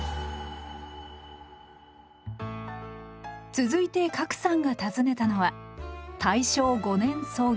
続いて加来さんが訪ねたのは大正５年創業